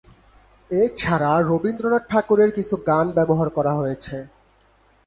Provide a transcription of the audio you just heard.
এছাড়া রবীন্দ্রনাথ ঠাকুরের কিছু গান ব্যবহার করা হয়েছে।